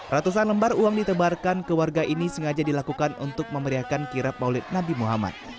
ratusan lembar uang ditebarkan ke warga ini sengaja dilakukan untuk memeriahkan kirap maulid nabi muhammad